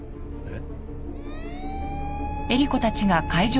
えっ？